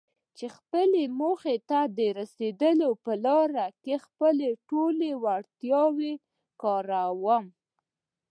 چې خپلې موخې ته د رسېدو په لاره کې خپله ټوله وړتيا وکاروم.